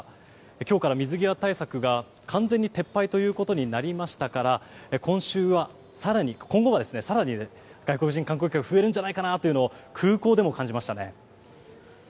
今日から水際対策が完全に撤廃ということになりましたから今後は更に、外国人観光客が増えるんじゃないかなというのを空港でも感じましたね。